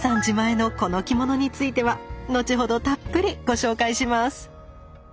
自前のこの着物については後ほどたっぷりご紹介します。